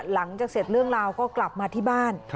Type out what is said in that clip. หลังจากเสร็จเรื่องราวก็กลับมาที่บ้าน